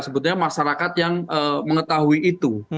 sebetulnya masyarakat yang mengetahui itu